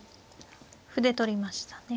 歩で取りましたね。